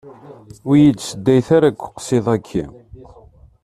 Ur yi-d-seddayet ara deg uqsiḍ-aki.